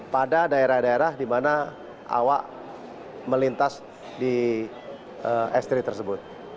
pada daerah daerah di mana awak melintas di ekstri tersebut